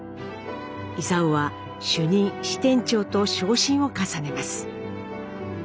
勲は主任支店長と昇進を重ねます。